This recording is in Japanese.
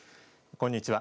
こんにちは。